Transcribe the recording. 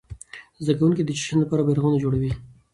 زده کوونکي د جشن لپاره بيرغونه جوړوي.